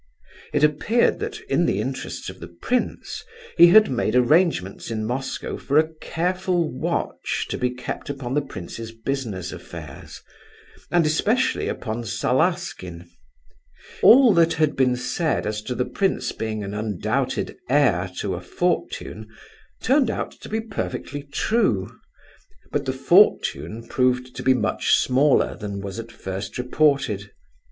It appeared that, in the interests of the prince, he had made arrangements in Moscow for a careful watch to be kept upon the prince's business affairs, and especially upon Salaskin. All that had been said as to the prince being an undoubted heir to a fortune turned out to be perfectly true; but the fortune proved to be much smaller than was at first reported.